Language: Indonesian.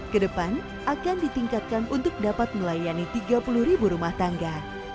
kedepan akan ditingkatkan untuk dapat melayani tiga puluh ribu rumah tangga